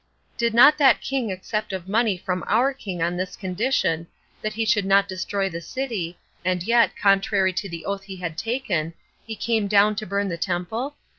Did not that king accept of money from our king on this condition, that he should not destroy the city, and yet, contrary to the oath he had taken, he came down to burn the temple?